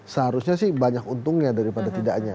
seharusnya sih banyak untungnya daripada tidaknya